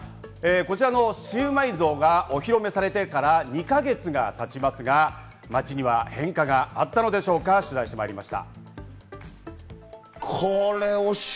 こちらのシウマイ像がお披露目されてから２か月が経ちますが、町には変化があったのでしょうか、取材してまいりました。